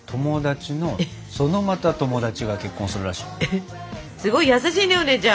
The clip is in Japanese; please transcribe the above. えっすごい優しいねお姉ちゃん！